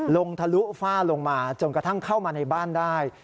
ทะลุฝ้าลงมาจนกระทั่งเข้ามาในบ้านได้